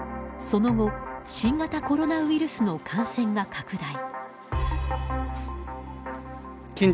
その後新型コロナウイルスの感染が拡大。